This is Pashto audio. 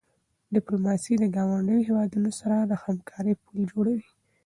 ډیپلوماسي د ګاونډیو هېوادونو سره د همکاری پل جوړوي.